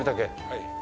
はい。